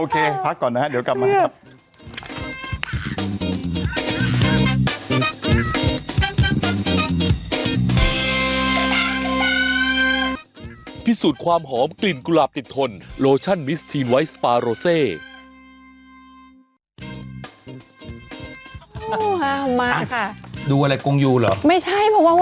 เธอไม่ต้องฉันเล่นไหม